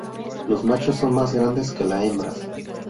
Los machos son más grandes que la hembras.